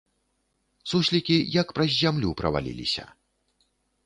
Суслікі, як праз зямлю праваліліся.